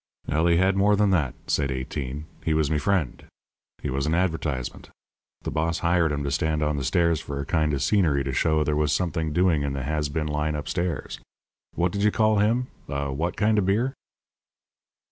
"He had more than that," said Eighteen. "He was me friend. He was an advertisement. The boss hired him to stand on the stairs for a kind of scenery to show there was something doing in the has been line upstairs. What did you call him a what kind of a beer?"